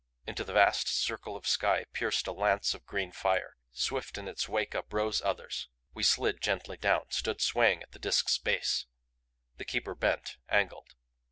Into the vast circle of sky pierced a lance of green fire; swift in its wake uprose others. We slid gently down, stood swaying at the Disk's base. The Keeper bent; angled.